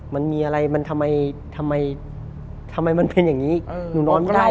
มันมีอะไรมันทำไมทำไมมันเป็นอย่างนี้หนูนอนไม่ได้